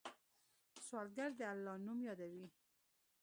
سوالګر د الله نوم یادوي